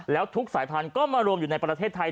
แล้วทุกสายพันธุ์ก็มารวมอยู่ในประเทศไทย